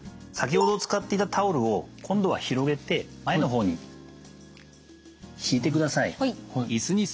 先ほど使っていたタオルを今度は広げて前の方に敷いてください。